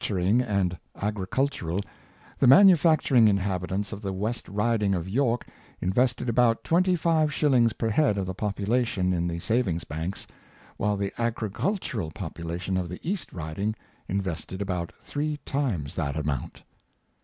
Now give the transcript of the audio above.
turing and agricultural, the manufacturing inhabitants of the West Riding of York invested about twenty five shillings per head of the population in the savings banks, while the agricultural population of the East Rid ing invested about three times that amount.